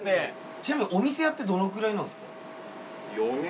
ちなみにお店やってどのくらいなんですか？